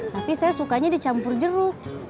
tapi saya sukanya dicampur jeruk